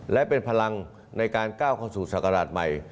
และเป็นพลังในการก้าวเข้าสู่ศักราชใหม่